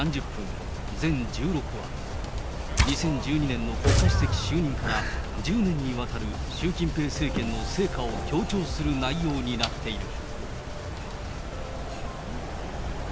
２０１２年の国家主席就任から１０年にわたる習近平政権の成果を強調する内容になっている。